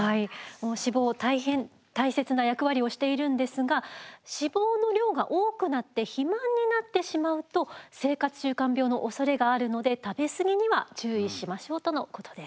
もう脂肪大変大切な役割をしているんですが脂肪の量が多くなって肥満になってしまうと生活習慣病のおそれがあるので食べ過ぎには注意しましょうとのことです。